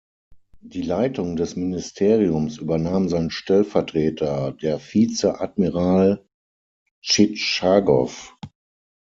Die Leitung des Ministeriums übernahm sein Stellvertreter, der Vizeadmiral Tschitschagow.